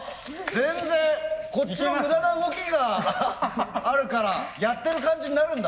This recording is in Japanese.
全然こっちの無駄な動きがあるからやってる感じになるんだ。